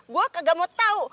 gua kagak mau tau